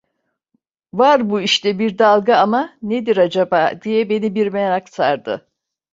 Var bu işte bir dalga ama, nedir acaba? diye beni bir merak sardı.